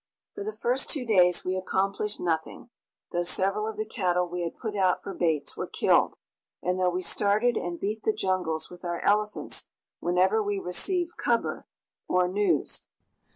For the first two days we accomplished nothing, though several of the cattle we had put out for baits were killed, and though we started and beat the jungles with our elephants whenever we received khubber, or news.